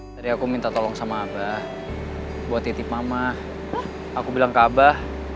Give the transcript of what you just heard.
dari aku minta tolong sama ada muat titi mama aku bilang kebah ya pokoknya aku percayakah papa pasti bisa ngebahagiakan mama si punya riyoruz